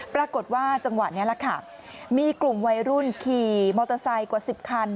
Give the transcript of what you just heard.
ปรากฏว่าจังหวะนี้แหละค่ะมีกลุ่มวัยรุ่นขี่มอเตอร์ไซค์กว่า๑๐คัน